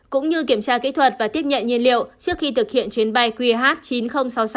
cũng như kiểm tra kỹ thuật và tiếp nhận nhiên liệu trước khi thực hiện chuyến bay qh chín nghìn sáu mươi sáu